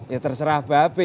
ya terserah babe